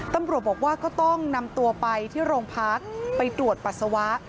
ตำรวจบอกว่าก็ต้องนำตัวไปที่โรงพักไปตรวจปัสสาวะ